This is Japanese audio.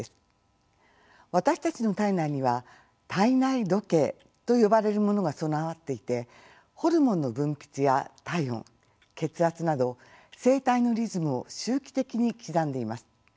私たちの体内には体内時計と呼ばれるモノが備わっていてホルモンの分泌や体温血圧など生体のリズムを周期的に刻んでいます。